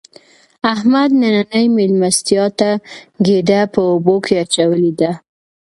احمد نننۍ مېلمستیا ته ګېډه په اوبو کې اچولې ده.